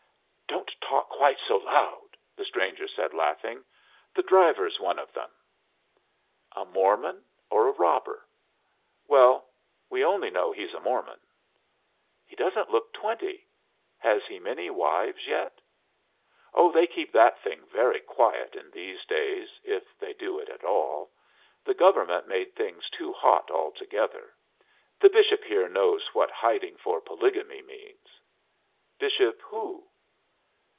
"Don't talk quite so loud," the stranger said, laughing. "The driver's one of them." "A Mormon or a robber?" "Well, we only know he's a Mormon." "He doesn't look twenty. Has he many wives yet?" "Oh, they keep that thing very quiet in these days, if they do it at all. The government made things too hot altogether. The Bishop here knows what hiding for polygamy means." "Bishop who?"